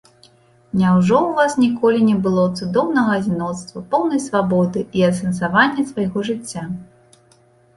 Няўжо ў вас ніколі не было цудоўнага адзіноцтва, поўнай свабоды і асэнсавання свайго жыцця?